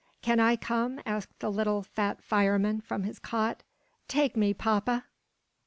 "Can I come?" asked the little "Fat Fireman" from his cot. "Take me, papa!"